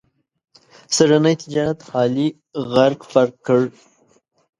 سږني تجارت علي غرق پرق کړ.